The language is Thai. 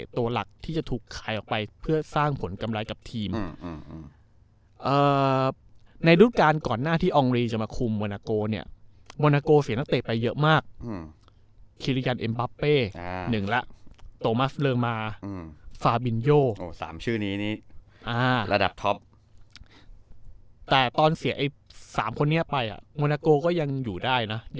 แต่ตอนเสียไอ้๓คนนี้ไปครับโวนาโกก็ยังอยู่ได้นะ